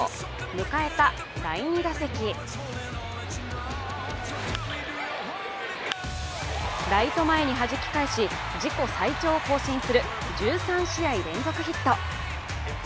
迎えた第２打席ライト前にはじき返し自己最長を更新する１３試合連続ヒット。